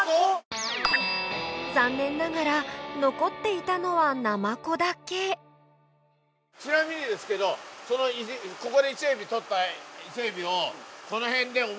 残念ながら残っていたのはナマコだけちなみにですけどここで伊勢エビ捕った。